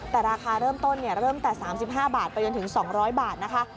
แต่ราคาเริ่มต้นเริ่มแต่๓๕บาทไปจนถึง๒๐๐บาทนะคะ